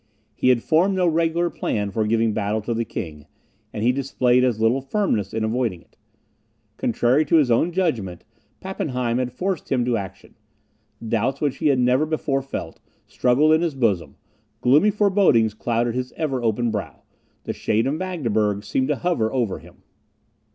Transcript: He had formed no regular plan for giving battle to the King, and he displayed as little firmness in avoiding it. Contrary to his own judgment, Pappenheim had forced him to action. Doubts which he had never before felt, struggled in his bosom; gloomy forebodings clouded his ever open brow; the shade of Magdeburg seemed to hover over him.